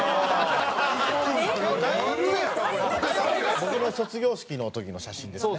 僕の卒業式の時の写真ですね。